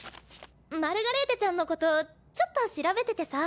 マルガレーテちゃんのことちょっと調べててさ。